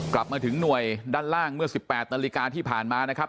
กลับมาถึงหน่วยด้านล่างเมื่อ๑๘นาฬิกาที่ผ่านมานะครับ